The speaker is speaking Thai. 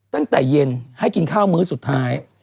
ตั้งแต่เย็นให้กินข้าวมื้อสุดท้าย